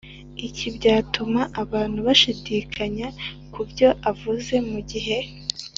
iki cyatuma abantu bashidikanya ku byo avuze mu gihe